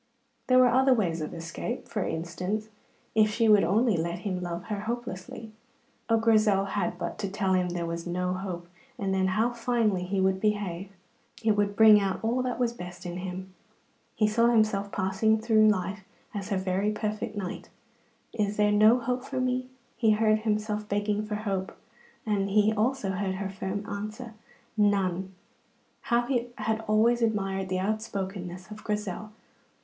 There were other ways of escape. For instance, if she would only let him love her hopelessly. Oh, Grizel had but to tell him there was no hope, and then how finely he would behave! It would bring out all that was best in him. He saw himself passing through life as her very perfect knight. "Is there no hope for me?" He heard himself begging for hope, and he heard also her firm answer: "None!" How he had always admired the outspokenness of Grizel.